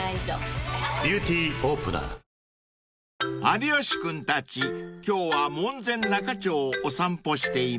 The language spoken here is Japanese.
［有吉君たち今日は門前仲町をお散歩しています］